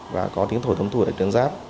và có tiếng thổi thấm thù ở tầng tiến giáp